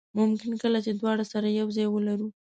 ممکن کله دواړه سره یو ځای ولرو.